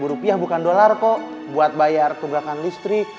tiga ratus rupiah bukan dolar kok buat bayar tugakan listrik